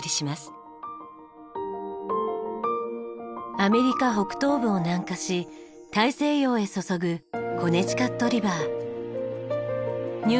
アメリカ北東部を南下し大西洋へ注ぐコネチカットリバー。